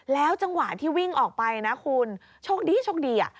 จังหวะที่วิ่งออกไปนะคุณโชคดีโชคดีอ่ะ